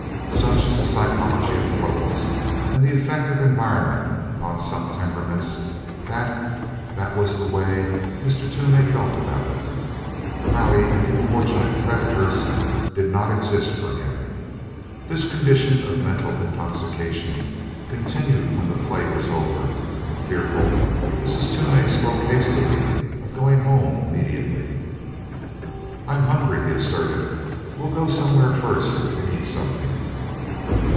Such is the psychology of clothes and the effect of environment upon some temperaments that that was the way Mr. Toomey felt about it. Prouty and importunate creditors did not exist for him. This condition of mental intoxication continued when the play was over and, fearful, Mrs. Toomey spoke hastily of going home immediately. "I'm hungry," he asserted. "We'll go somewhere first and eat something."